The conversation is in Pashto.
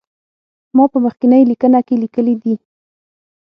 ما په مخکینی لیکنه کې لیکلي دي.